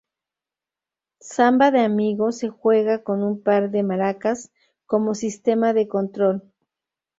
Samba de Amigo se juega con un par de maracas como sistema de control.